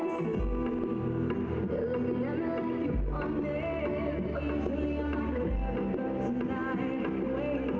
สวัสดีครับ